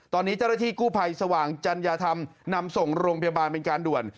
ตอนนี้เจ้าหน้าที่กู้ภัยสว่างจัญญาธรรมนำส่งโรงพยาบาลเป็นการด่วน